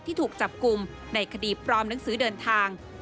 ที่ถูกจับกลุ่มในคดีปลอมหนังสือเดินทาง